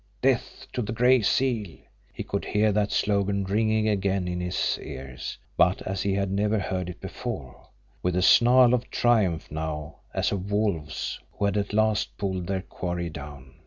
Death to the Gray Seal!" He could hear that slogan ringing again in his ears, but as he had never heard it before with a snarl of triumph now as of wolves who at last had pulled their quarry down.